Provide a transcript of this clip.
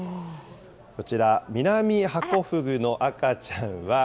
こちら、ミナミハコフグの赤ちゃんは。